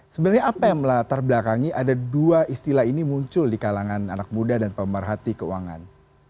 sebenarnya apa yang melatar belakangi ada dua istilah ini muncul di kalangan anak muda dan pemerhati keuangan